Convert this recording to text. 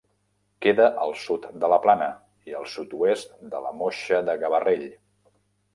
Queda al sud de la Plana i al sud-oest de la Moixa de Gavarrell.